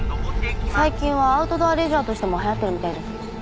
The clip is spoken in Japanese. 最近はアウトドアレジャーとしても流行ってるみたいです。